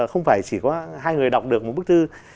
không phải chỉ có hai người đọc được một bức thư